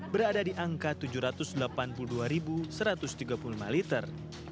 berada di angka tujuh ratus delapan puluh dua satu ratus tiga puluh lima liter